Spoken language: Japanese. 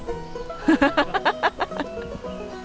ハハハハ！